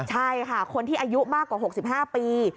ใช่ค่ะคนที่อายุมากกว่า๖๕ปี